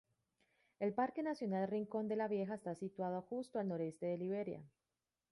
El Parque nacional Rincón de la Vieja está situado justo al noreste de Liberia.